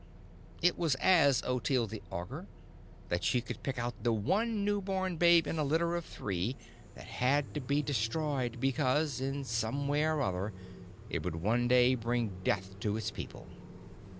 It was as Ottilie the Augur that she could pick out the one new born babe in a litter of three that had to be destroyed because, in some way or other, it would one day bring death to its people.